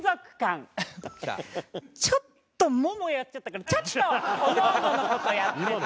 ちょっとももをやっちゃったからちょっとおのおのの事やってて。